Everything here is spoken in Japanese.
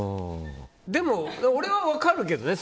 でも俺は分かるけどね。